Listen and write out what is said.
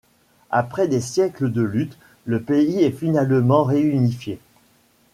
Après des siècles de luttes, le pays est finalement réunifié.